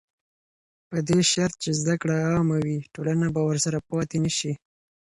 په دې شرط چې زده کړه عامه وي، ټولنه به وروسته پاتې نه شي.